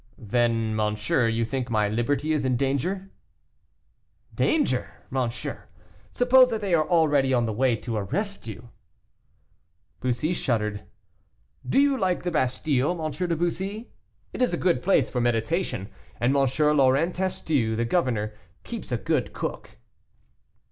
"Then, monsieur, you think my liberty in danger?" "Danger! monsieur; suppose that they are already on the way to arrest you." Bussy shuddered. "Do you like the Bastile, M. de Bussy? it is a good place for meditation, and M. Laurent Testu, the governor, keeps a good cook."